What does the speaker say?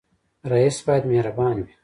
رئیس باید مهربان وي